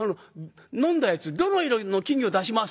飲んだやつどの色の金魚出します